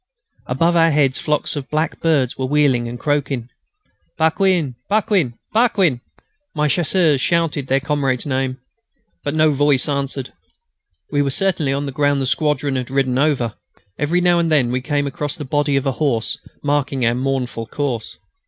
Above our heads flocks of black birds were wheeling and croaking. "Paquin!... Paquin!... Paquin!..." My Chasseurs shouted their comrade's name; but no voice answered. We were certainly on the ground the squadron had ridden over. Every now and then we came across the body of a horse, marking our mournful course.